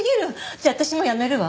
じゃあ私も辞めるわ。